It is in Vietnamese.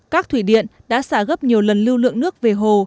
các thủy điện đã xả gấp nhiều lần lưu lượng nước về hồ